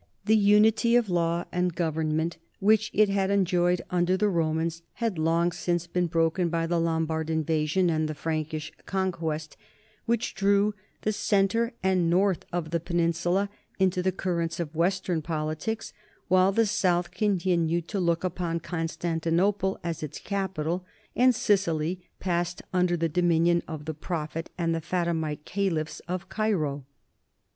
The unity of law and government which it had enjoyed under the Romans had been long since broken by the Lombard invasion and the Prankish conquest, which drew the centre and north of the peninsula into the currents of western politics, while the south continued to look upon Constantinople as its capital and Sicily passed under the dominion of the Prophet and the Fatimite caliphs of Cairo.